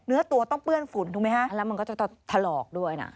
เนื้อตัวต้องเปื้อนฝุ่นถูกไหมฮะแล้วมันก็จะถลอกด้วยนะ